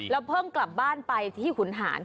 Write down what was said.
เพิ่งกลับบ้านไปที่ขุนหาร